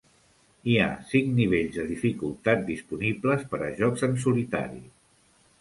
Hi ha cinc nivells de dificultat disponibles per a jocs en solitari.